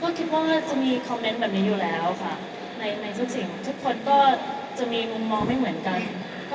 ก็คิดว่าจะมีคอมเมนต์แบบนี้อยู่แล้วค่ะในทุกสิ่งทุกคนก็จะมีมุมมองไม่เหมือนกัน